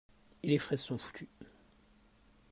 Et les fraises sont foutues.